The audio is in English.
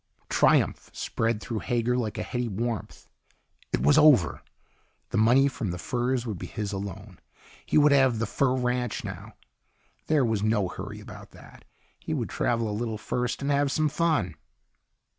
Triumph spread through Hager like a heady warmth. It was over. The money from the furs would be his alone. He would have the fur ranch, now. But there was no hurry about that. He would travel a little first and have some fun.